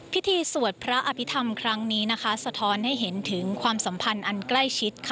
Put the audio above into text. สวดพระอภิษฐรรมครั้งนี้นะคะสะท้อนให้เห็นถึงความสัมพันธ์อันใกล้ชิด